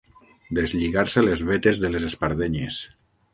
Deslligar-se les vetes de les espardenyes.